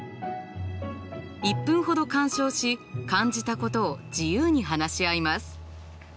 １分ほど鑑賞し感じたことを自由に話し合います。